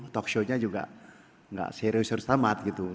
talkshow nya juga gak serius serius tamat gitu